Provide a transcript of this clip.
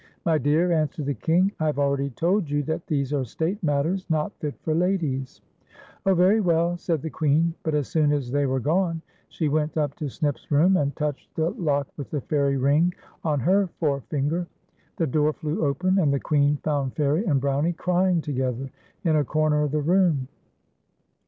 "My dear," answered the King, "I have already told you that these are state matters not fit for ladies." "Oh, very well," said the Queen; but as soon as they were gone, she went up to Snip's room and touched the lock with the fairy ring on her forefinger. The door flew open, and the Queen found Fairie and Brownie crying together in a corner of the room.